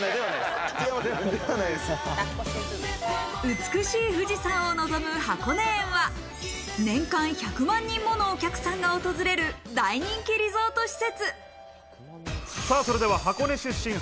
美しい富士山を望む箱根園は年間１００万人ものお客さんが訪れる大人気リゾート施設。